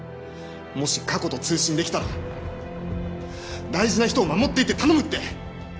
もし過去と通信できたら大事な人を守ってって頼むって！